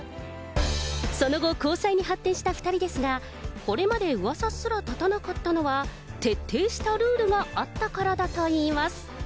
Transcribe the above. その後、交際に発展した２人でしたが、これまでうわさすら立たなかったのは、徹底したルールがあったからだといいます。